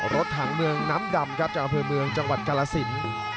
รถถางเมืองน้ำดำครับจังหวัดเมืองจังหวัดกรสิน